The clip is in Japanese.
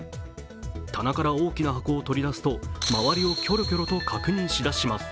棚から大きな箱を取り出すと、周りをキョロキョロと確認しだします。